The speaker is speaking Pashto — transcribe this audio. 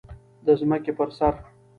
د ځمکې پر سر